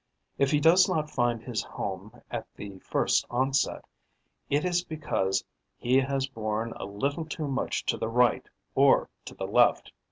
If he does not find his home at the first onset, it is because he has borne a little too much to the right or to the left.